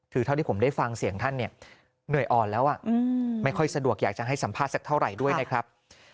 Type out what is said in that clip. คือเท่าที่ผมได้ฟังเสียงท่านเนี่ยเหนื่อยอ่อนแล้วไม่ค่อยสะดวกอยากจะให้สัมภาษณ์สักเท่าไหร่ด้วยนะครับ